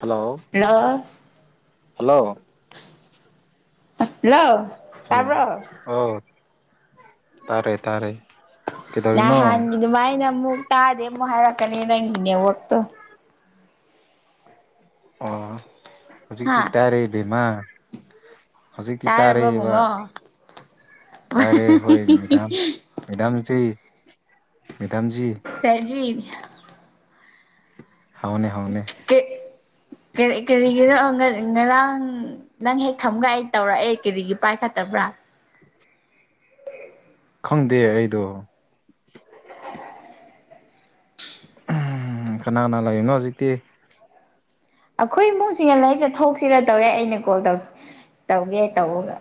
hello hello hello hello hello ꯇꯥꯕ꯭ꯔꯣ ꯑꯣ ꯇꯥꯔꯦ ꯇꯥꯔꯦ ꯅ ꯀꯩꯗꯧꯔꯤꯅꯣ ꯍꯥꯟꯒꯤ ꯑꯗꯨꯃꯥꯏꯅ ꯑꯃꯨꯛ ꯇꯥꯗꯦ ꯑꯃꯨꯛ ꯍꯥꯏꯔꯛꯀꯅꯤ ꯅꯪꯒꯤꯅꯦ ꯋꯥꯛꯇꯣ ꯑꯣ ꯍꯧꯖꯤꯛꯇꯤ ꯍꯥ ꯇꯥꯔꯦ ꯏꯕꯦꯃ ꯍꯧꯖꯤꯛꯤ ꯇꯥꯔꯕ ꯇꯥꯔꯛꯏꯕ ꯕꯨꯡꯉꯣ ꯇꯥꯔꯦ ꯍꯣꯏ ꯃꯦꯗꯥꯝ ꯃꯦꯗꯥꯝꯖꯤ ꯃꯦꯗꯥꯝꯖꯤ ꯁꯔꯖꯤ ꯍꯥꯎꯅꯦ ꯍꯧꯅꯦ ꯀꯔꯤ ꯀꯔꯤꯒꯤꯅꯣ ꯉꯔꯥꯡ ꯅꯪ ꯍꯦꯛ ꯈꯝꯒ ꯑꯩ ꯇꯧꯔꯛꯑꯦ ꯀꯔꯤꯒꯤ ꯄꯥꯏꯈꯠꯇꯕ꯭ꯔꯥ [inaudible] ꯈꯪꯗꯦ ꯑꯩꯗꯣ ꯀꯅꯥꯅꯥ ꯂꯩꯔꯤꯅꯣ ꯍꯧꯖꯤꯛꯇꯤ ꯑꯩꯈꯣꯏ ꯏꯃꯨꯡꯁꯤꯅ ꯂꯥꯏꯔꯤ ꯆꯠꯊꯣꯛꯁꯤꯔ ꯇꯧꯋꯦ ꯑꯩꯅ ꯀꯣꯜꯧ ꯇꯧꯒꯦ ꯇꯧꯔꯒ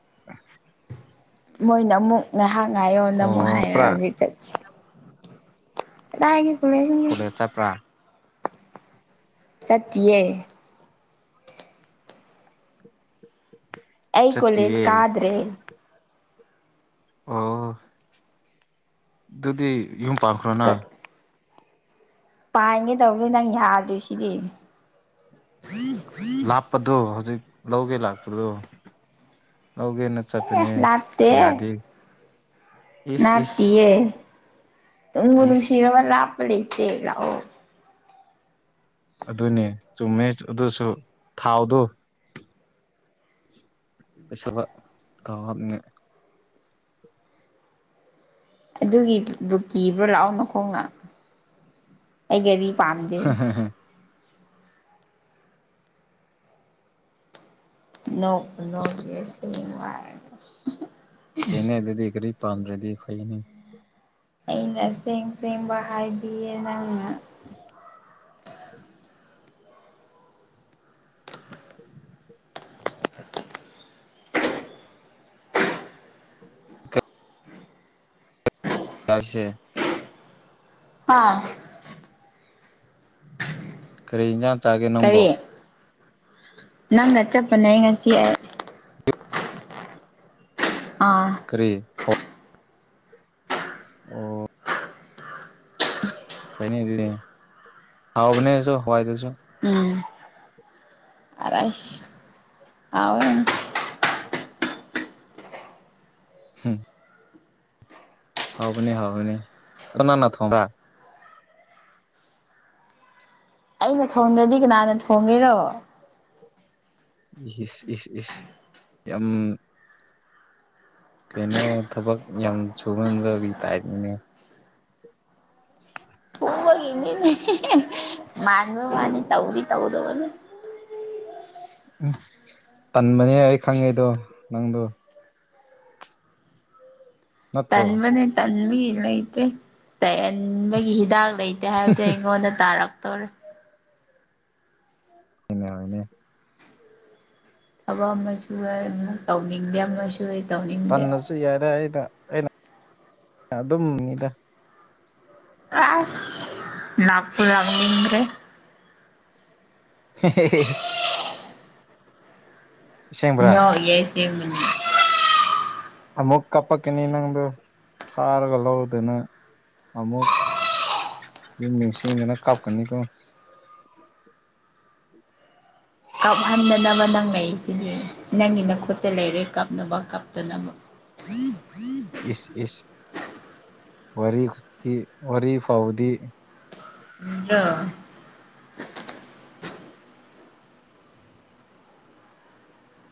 [inaudible] ꯃꯣꯏꯅ ꯑꯃꯨꯛ ꯉꯥꯏꯍꯥꯛ ꯉꯥꯏꯌꯣꯅ ꯑꯃꯨꯛ ꯑꯣ ꯍꯥꯏꯔꯦ ꯆꯠꯄ꯭ꯔꯥ ꯍꯧꯖꯤꯛ ꯆꯠꯁꯤ ꯇꯥꯏ ꯍꯥꯏꯦꯒꯦ ꯀꯨꯝꯅꯦꯁꯒ ꯑꯆꯥꯄ꯭ꯔꯥ ꯆꯠꯦ ꯑꯩ ꯀꯣꯂꯦꯖ ꯆꯠꯇꯤꯌꯦ ꯀꯥꯗ꯭ꯔꯦ ꯑꯣꯥ ꯑꯗꯨꯗꯤ ꯌꯨꯝ ꯄꯥꯈ꯭ꯔꯣꯅ ꯄꯥꯏꯒꯦ ꯇꯧꯕꯅꯤ ꯅꯪ ꯌꯥꯗꯣꯏ ꯁꯤꯗꯤ ꯂꯥꯞꯄꯗꯣ ꯍꯧꯖꯤꯛ ꯂꯧꯒꯦ ꯂꯥꯛꯄꯗꯣ ꯂꯧꯒꯦꯅ ꯆꯠꯄ ꯑꯦ ꯂꯥꯕ ꯗꯦ ꯏꯁ ꯏꯁ ꯅꯥꯥꯇꯌꯦ ꯅꯕꯨ ꯏꯁ ꯅꯨꯡꯁꯤꯔꯕ ꯂꯥꯞꯄ ꯂꯩꯇꯦ ꯂꯥꯛꯑꯣ ꯑꯗꯨꯅꯦ ꯆꯨꯝꯃꯦ ꯑꯗꯨꯁꯨ ꯊꯥꯎꯗꯨ ꯄꯁꯕ ꯀꯝ ꯑꯗꯨꯒꯤꯗꯨ ꯀꯤꯕ꯭ꯔꯣ ꯂꯥꯛꯑꯣ ꯅ ꯈꯣꯡꯅ ꯑꯩ ꯒꯥꯔꯤ ꯄꯥꯝꯗꯦ ꯅꯦꯏ ꯅꯦ ꯑꯗꯨꯗꯤ ꯀꯔꯤ ꯄꯥꯟꯝꯗ꯭ꯔꯗꯤ ꯐꯩꯅꯤ ꯑꯩꯅ ꯆꯦꯡ ꯆꯦꯡꯕ ꯍꯥꯏꯕꯤꯌꯦ ꯅꯪꯅ ꯆꯁꯦ ꯍꯥꯥ ꯀꯔꯤ ꯏꯟꯖꯥꯡ ꯆꯥꯒꯦ ꯅꯣꯝꯕꯣ ꯅꯪꯒ ꯆꯞꯄꯅꯦ ꯉꯁꯤ ꯑꯩ [inaudible] ꯑꯥ ꯄ꯭ꯔꯤ ꯍ ꯑꯣ ꯈꯅꯦꯗꯤ ꯍꯥꯎꯕꯅꯦꯁꯨ ꯍꯋꯥꯏꯗꯁꯨ ꯎꯝ ꯑꯔꯥꯏꯁ ꯑꯥꯎ ꯍꯝ ꯍꯥꯎ ꯃꯤꯅꯦ ꯍꯥꯎ ꯃꯤꯅꯦ ꯑꯗꯨꯅꯅꯅꯥ ꯊꯣꯡꯕ ꯑꯩꯅ ꯊꯣꯡꯗ꯭ꯔꯗꯤ ꯀꯅꯥꯅ ꯊꯣꯡꯒꯦꯔꯣ ꯏꯁ ꯏꯁ ꯏꯁ ꯌꯥꯝ ꯀꯩꯅꯣ ꯊꯕꯛ ꯌꯥꯝ ꯁꯨꯍꯟꯕꯒꯤ ꯇꯥꯏꯞꯅꯦ ꯍꯃꯒ ꯍꯅꯤꯡꯅꯤ ꯃꯥꯅꯕ ꯃꯥꯅꯤ ꯇꯧꯗꯤ ꯇꯧꯗꯧꯅꯤ ꯎꯝ ꯇꯟꯕꯅꯦ ꯑꯩ ꯈꯪꯉꯦꯗꯣ ꯅꯪꯗꯣ ꯅꯠꯇ꯭ꯔꯣ ꯇꯟꯕꯅꯦ ꯇꯟꯕꯒꯤ ꯂꯩꯇ꯭ꯔꯦ ꯇꯟꯕꯒꯤ ꯍꯤꯗꯥꯛ ꯂꯩꯇꯦ ꯀꯦ ꯍꯥꯏꯕꯗꯤ ꯑꯩꯉꯣꯟꯗ ꯇꯥꯔꯛꯇꯧꯔꯦ ꯀꯅꯦ ꯍꯅꯦ ꯊꯕꯛ ꯑꯃꯁꯨ ꯑꯣꯏ ꯑꯃꯨꯛ ꯇꯧꯅꯤꯡꯗꯦ ꯑꯃꯁꯨ ꯍ ꯇꯧꯅꯤꯡꯗꯦ ꯨ ꯌꯥꯗꯦ ꯑꯩꯅ ꯑꯩꯅ ꯑꯗꯨꯝ ꯃꯤꯗ ꯑꯁ ꯅꯥꯄꯗꯂꯤ꯭ꯔꯦ ꯍ ꯑꯁꯦꯡꯕ꯭ꯔꯥ ꯌꯥ ꯌꯥꯏꯁꯦ ꯑꯃꯨꯛ ꯀꯥꯄꯛꯀꯅꯤ ꯅꯪꯗꯣ ꯐꯥꯔꯒ ꯂꯧꯗꯅ ꯑꯃꯨꯛ ꯃꯤꯁꯤꯗꯅ ꯀꯞꯀꯅꯤ ꯀꯣ ꯀꯥꯞꯍꯟꯗꯅꯕ ꯅꯪ ꯂꯩꯁꯤꯅꯦ ꯅꯪꯒꯤ ꯅꯈꯣꯠꯇ ꯂꯩꯔꯦ ꯀꯥꯞꯅꯕ ꯀꯞꯇꯅꯕ ꯎ ꯏꯁ ꯏꯁ ꯋꯥꯔꯤꯤ ꯋꯥꯔꯤ ꯐꯥꯎꯕꯗꯤ ꯆꯨꯝꯗ꯭ꯔ‌ꯣ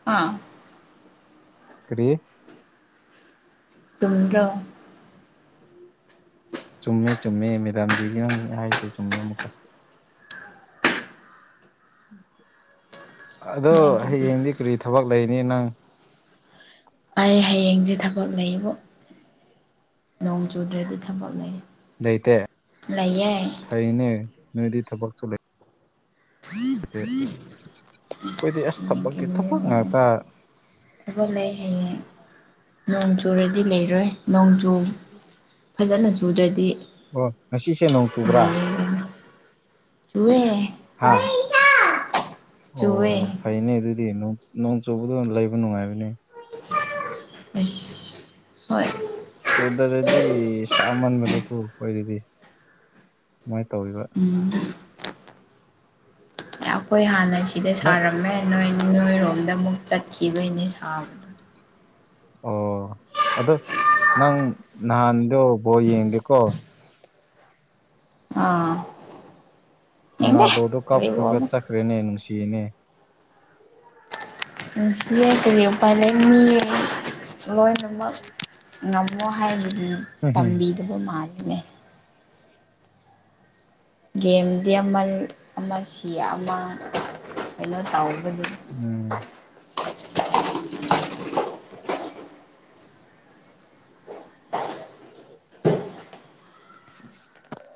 ꯑꯥ ꯀꯔꯤ ꯆꯨꯝꯗ꯭ꯔ ꯆꯨꯝꯃꯦ ꯆꯨꯝꯃꯦ ꯃꯦꯗꯥꯝꯖꯤꯒꯤ ꯅꯪ ꯍꯥꯏꯁꯦ ꯆꯨꯝꯃꯦ ꯑꯃꯨꯛꯀ ꯑꯗꯣ ꯅꯪꯒꯤꯗꯨꯁꯨ ꯍꯌꯦꯡꯗꯤ ꯀꯔꯤ ꯊꯕꯛ ꯂꯩꯅꯤ ꯅꯪ ꯑꯩ ꯍꯌꯦꯡꯁꯦ ꯊꯕꯛ ꯂꯩꯌꯦꯕ ꯅꯣꯡ ꯆꯨꯗ꯭ꯔꯗꯤ ꯊꯕꯛ ꯂꯩ ꯂꯩꯇꯦ ꯂꯩꯌꯦ ꯐꯩꯅꯦ ꯅꯣꯏꯗꯤ ꯊꯕꯛꯁꯨ ꯂꯩ ꯍꯥꯏꯗꯤ ꯑꯩꯈꯣꯏꯗꯤ ꯑꯁ ꯍꯌꯦꯡ ꯊꯕꯛꯀꯤ ꯀꯩꯅꯣ ꯊꯕꯛ ꯉꯥꯛꯇ ꯋꯦꯅꯁꯗꯦ ꯊꯕꯛ ꯂꯩ ꯍꯌꯦꯌꯦꯡ ꯅꯣꯡ ꯆꯨꯔꯗꯤ ꯂꯩꯔꯣꯏ ꯅꯣꯡꯖꯨ ꯐꯖꯅ ꯆꯨꯗ꯭ꯔꯗꯤ ꯑꯣ ꯉꯁꯤꯁꯦ ꯅꯣꯡ ꯆꯨꯕ꯭ꯔꯥ ꯂꯩꯒꯅꯤ ꯆꯨꯋꯦ ꯍꯥꯥ ꯖꯨꯑꯦ ꯐꯩꯅꯦ ꯑꯗꯨꯗꯤ ꯅꯣꯡ ꯆꯨꯕꯗ ꯂꯩꯕ ꯅꯨꯡꯉꯥꯏꯕꯅꯦ ꯎ ꯍꯣꯏ ꯣꯗꯔꯗꯤ ꯁꯥꯃꯟꯕꯗꯨꯀꯨ ꯑꯣꯏꯣꯏꯔꯗꯤ ꯁꯨꯃꯥꯏꯅ ꯇꯧꯔꯤꯕ ꯎꯝ ꯑꯩꯈꯣꯏ ꯍꯥꯟꯅ ꯁꯤꯗ ꯅꯪ ꯁꯥꯔꯝꯃꯦ ꯅꯣꯏ ꯅꯣꯏꯔꯣꯝꯗ ꯑꯃꯨꯛ ꯆꯠꯈꯤꯕꯩꯅꯦ ꯁꯥꯕꯗ ꯑꯣ ꯑꯣ ꯅꯪ ꯅꯍꯥꯟꯗꯣ ꯕꯣꯔ ꯌꯦꯡꯒꯦꯀꯣ ꯑꯥ ꯌꯦꯡꯗꯦ ꯅꯅꯥꯎꯗꯣ ꯑꯗꯨ ꯀꯞꯈꯒ ꯀꯔꯤꯕꯣꯅꯦ ꯆꯠꯈ꯭ꯔꯦꯅꯦ ꯅꯨꯡꯁꯤꯌꯦꯅꯦ ꯅꯨꯡ ꯁꯤ ꯀꯔꯤ ꯎꯄꯥꯏ ꯂꯩꯅꯤ ꯂꯣꯏꯅꯃꯛ ꯉꯝꯃꯣ ꯍꯥꯏꯕꯗꯤ ꯇꯝꯕꯤꯗꯕ ꯃꯥꯜꯂꯤꯅꯦ ꯒꯦꯝꯗꯤ ꯑꯃ ꯑꯃ ꯁꯤ ꯑꯃ ꯀꯩꯅꯣ ꯇꯧꯕꯅꯤ ꯎꯝ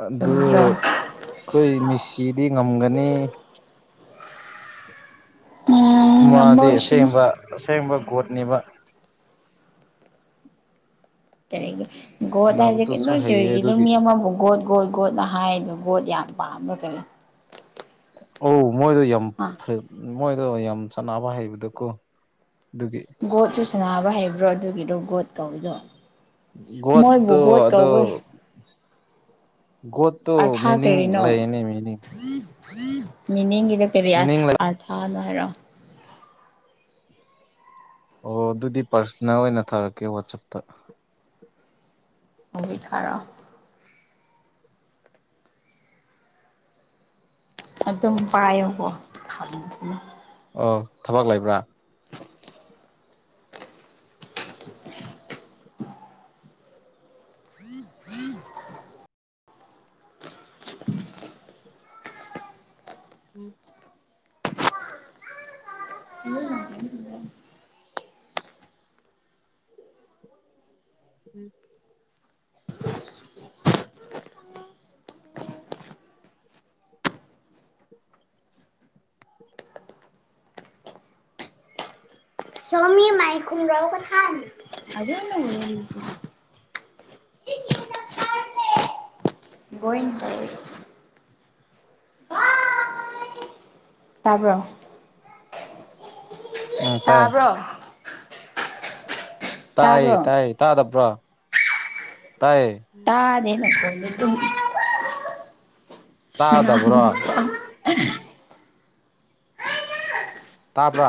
ꯑꯗꯨ ꯆꯨꯝꯗ꯭ꯔꯣ ꯑꯩꯈꯣꯏ ꯃꯦꯁꯤꯗꯤ ꯉꯝꯒꯅꯤ ꯎꯝ ꯉꯝꯕ ꯃꯥꯗꯤ ꯑꯣꯏꯁꯅꯨ ꯑꯁꯦꯡꯕ ꯑꯁꯦꯡꯕ ꯒꯣꯠꯅꯦꯕ ꯀꯔꯤ ꯒꯣꯠ ꯍꯥꯏꯁꯦ ꯁꯥꯟꯅꯕꯗꯨꯁꯨ ꯅꯣꯏ ꯍꯩꯌꯦ ꯀꯔꯤꯒꯤꯅꯣ ꯑꯗꯨꯒꯤ ꯃꯤ ꯑꯃꯕꯨ ꯒꯣꯠ ꯒꯣꯠ ꯒꯣꯠꯅ ꯍꯥꯏꯗꯣ ꯒꯣꯠ ꯌꯥꯝ ꯄꯥꯝꯕ ꯀꯩꯅꯣ ꯑꯧ ꯃꯣꯏꯒ ꯌꯥꯝ ꯑ ꯃꯣꯏꯗꯣ ꯌꯥꯝ ꯁꯥꯟꯅꯕ ꯍꯩꯕꯗꯣꯀꯣ ꯑꯗꯨꯒꯤ ꯒꯣꯠꯁꯨ ꯁꯥꯟꯅꯕ ꯍꯩꯕ꯭ꯔꯣ ꯑꯗꯨꯒꯤꯗꯣ ꯒꯣꯠ ꯀꯧꯔꯤꯗꯣ ꯃꯣꯏꯕꯨ ꯒꯣꯠꯇꯣ ꯒꯣꯠ ꯑꯗꯣ ꯀꯧꯕꯩ ꯒꯣꯠ ꯇꯨ ꯑꯥꯔꯊꯥ ꯃꯤꯅꯤꯡ ꯂꯩꯥꯅꯦ ꯃꯤꯅꯤꯡ ꯃꯤꯅꯤꯡꯗꯣ ꯀꯔꯤ ꯃꯤꯅꯤꯡ ꯂꯩ ꯑꯥꯔꯊꯅꯣ ꯍꯥꯏꯔꯛꯑꯣ ꯑꯣ ꯑꯗꯨꯗꯤ ꯄꯥꯔꯁꯅꯦꯜ ꯑꯣꯏꯅ ꯊꯥꯔꯛꯀꯦ ꯋꯥꯆꯞꯇ ꯍꯧꯖꯤꯛ ꯊꯥꯔꯛ ꯑꯣ ꯑꯗꯨꯝ ꯄꯥꯏꯌꯣꯀꯣ ꯊꯝꯈꯤꯅꯨ ꯑꯣ ꯊꯕꯛ ꯂꯩꯕ꯭ꯔ [unintelligible] ꯎꯝ [unintelligible] ꯎꯝ ꯏ [unintelligible] ꯎꯝ ꯁꯣꯃꯤ ꯃꯥꯏ ꯈꯨꯝꯔ ꯀ ꯊꯥꯏ ꯑꯗꯨ [unintelligible] ꯕꯣꯏ ꯇ [unintelligible] ꯇꯥꯕ꯭ꯔꯣ ꯎꯝ ꯇꯥꯏ ꯇꯥꯕ꯭ꯔꯣ ꯇꯥꯏꯌꯦ ꯇꯥꯕ꯭ꯔꯣ ꯇꯥꯏꯌꯦ ꯇꯥꯗꯕ꯭ꯔꯣ ꯇꯥꯏꯌꯦ ꯑꯗꯦ ꯅꯀꯦ ꯇ [unintelligible] ꯑ ꯇꯥꯗꯕ꯭ꯔꯣ [unintelligible] ꯇꯥꯕ꯭ꯔꯥ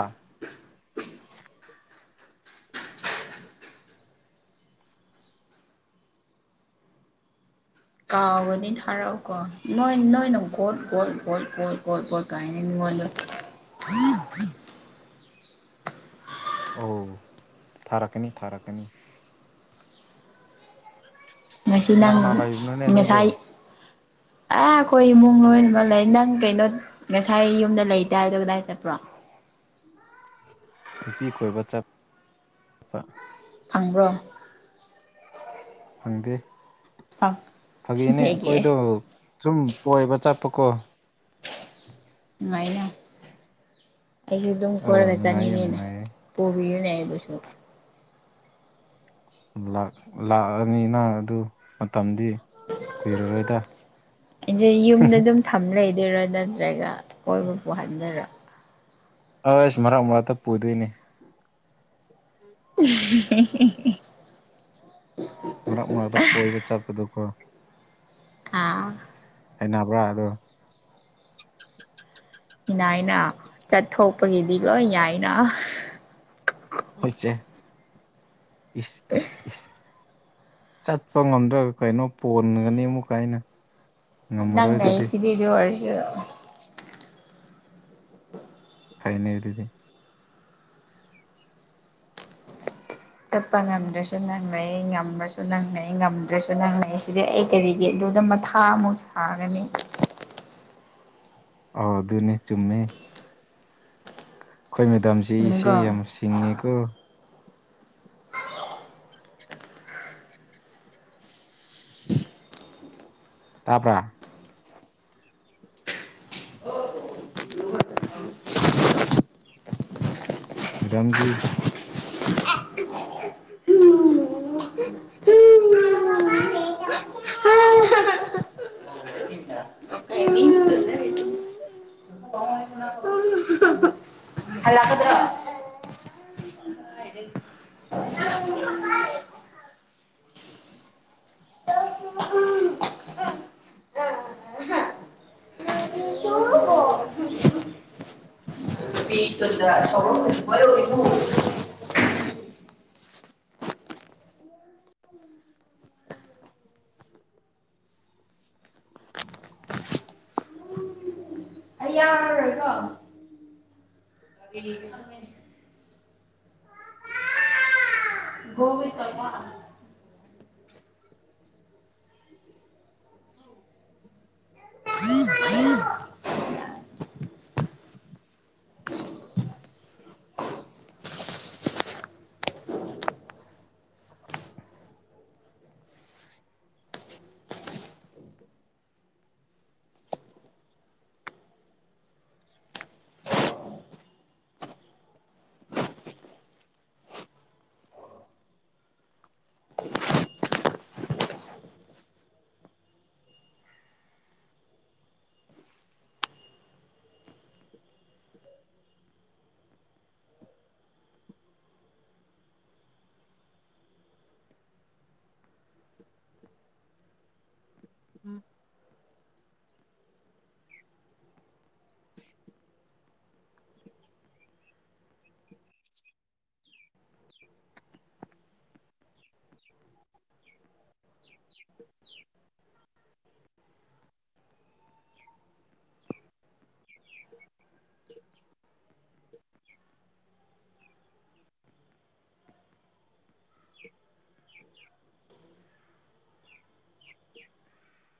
ꯀꯥꯎꯒꯅꯤ ꯊꯥꯔꯛꯑꯣꯀꯣ ꯅꯣꯏ ꯅꯣꯏꯅ ꯒꯣꯠ ꯒꯣꯠ ꯒꯣꯠ ꯒꯣꯠ ꯒꯣꯠ ꯒꯣꯠ ꯀꯥꯏꯅ ꯃꯤꯉꯣꯟꯗ ꯑꯧ ꯊꯥꯔꯛꯀꯅꯤ ꯊꯥꯔꯛꯀꯅꯤ ꯃꯁꯤ ꯀꯅꯥ ꯅꯪ ꯀꯅꯥ ꯂꯩꯕꯅꯣꯅꯦ ꯅꯣꯏꯗꯣ ꯉꯁꯥꯏ ꯑꯥ ꯑꯩꯈꯣꯏ ꯏꯃꯨꯡ ꯂꯣꯏꯃ ꯂꯩ ꯅꯪ ꯀꯩꯅꯣ ꯉꯁꯥꯏ ꯌꯨꯝꯗ ꯂꯩꯇꯦ ꯍꯥꯏꯕꯗꯣ ꯀꯗꯥꯏ ꯆꯠꯄ꯭ꯔꯣ ꯅꯨꯄꯤ ꯀꯣꯏꯕ ꯆꯠꯄ ꯐꯪꯕ꯭ꯔꯣ ꯐꯪꯗꯦ ꯐꯪ ꯐꯥꯒꯤꯅꯦ ꯀꯩꯒꯤ ꯑꯩꯈꯣꯏꯗꯣ ꯁꯨꯝ ꯀꯣꯏꯕ ꯆꯠꯄꯀꯣ ꯑꯗꯨꯃꯥꯏꯅ ꯑꯩꯁꯨ ꯑꯗꯨꯝ ꯑꯣ ꯀꯣꯏꯔꯒ ꯅꯨꯡꯉꯥꯏ ꯆꯠꯅꯤꯡ ꯌꯥꯝ ꯉꯦꯅꯦ ꯅꯨꯡꯉꯥꯏꯌꯦ ꯄꯨꯕꯤꯌꯨꯅꯦ ꯑꯩꯕꯨꯁꯨ ꯂꯥꯛ ꯂꯥꯛꯑꯅꯤꯅ ꯑꯗꯨ ꯃꯇꯝꯗꯤ ꯀꯨꯏꯔꯔꯣꯏꯗ ꯑꯩꯗꯤ ꯌꯨꯝꯗ ꯑꯗꯨꯝ ꯊꯝ ꯂꯩꯗꯣꯏꯔꯣ ꯅꯠꯇ꯭ꯔꯒ ꯀꯣꯏꯕ ꯄꯨꯍꯟꯗꯣꯏꯔꯣ ꯑꯁ ꯃꯔꯛ ꯃꯔꯛꯇ ꯄꯨꯗꯣꯏꯅꯤ [inaudible] [unintelligible] ꯃꯔꯛ ꯃꯔꯛꯇ ꯀꯣꯏꯕ ꯆꯠꯄꯗꯀꯣ ꯑꯥ ꯍꯩꯅꯕ꯭ꯔꯥ ꯑꯂꯣ ꯏꯅꯥꯏꯅ ꯆꯠꯊꯣꯛꯄꯒꯤꯗꯤ ꯂꯣꯏ ꯌꯥꯏꯅ ꯍꯣꯏꯆꯦ ꯏꯁ ꯏꯁ ꯏꯁ ꯆꯠꯄ ꯉꯝꯗ꯭ꯔꯒ ꯀꯩꯅꯣ ꯄꯣꯟꯒꯅꯤ ꯑꯃꯨꯛ ꯀꯥꯏꯅ ꯅꯪ ꯂꯩꯁꯤꯗꯤ ꯑꯗꯨ ꯑꯣꯏꯔꯥꯁꯨ ꯐꯩꯅꯦ ꯑꯗꯨꯗꯤ ꯆꯠꯄ ꯉꯝꯗ꯭ꯔꯁꯨ ꯅꯪꯅꯩ ꯉꯝꯃ꯭ꯔꯁꯨ ꯅꯪꯅꯩ ꯉꯝꯗ꯭ꯔꯁꯨ ꯅꯪꯅꯩ ꯁꯤꯗꯤ ꯑꯩ ꯀꯔꯤꯒꯤ ꯑꯗꯨꯗ ꯃꯊꯥ ꯁꯥꯃꯨꯛ ꯁꯥꯒꯅꯤ ꯑꯣ ꯑꯗꯨꯅꯤ ꯆꯨꯝꯃꯦ ꯑꯩꯈꯣꯏ ꯃꯦꯗꯥꯝꯁꯤ ꯏꯆꯦ ꯆꯨꯝꯃꯤꯀꯣ ꯌꯥꯝ ꯁꯤꯡꯉꯦꯀꯣ [inaudible] ꯇꯥꯕ꯭ꯔ ꯃꯦꯗꯝꯖꯤ [inaudible] ꯍꯜꯛꯀꯗꯔꯣ [unintelligible] [unintelligible] ꯑꯩ [unintelligible] [inaudible] [unintelligible] [inaudible] [inaudible] [inaudible] [unintelligible] [unintelligible]